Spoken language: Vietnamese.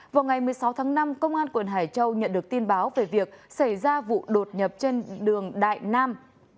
vào ngày một mươi sáu tháng năm công an quận hải châu nhận được tin báo về việc xảy ra vụ đột nhập trên đường đại nam